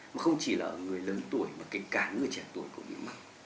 mà không chỉ là người lớn tuổi mà cả người trẻ tuổi cũng bị mắc